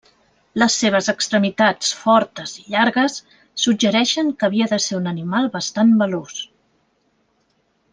Les seves extremitats fortes i llargues suggereixen que havia de ser un animal bastant veloç.